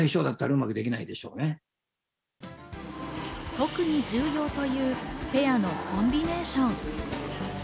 特に重要というペアのコンビネーション。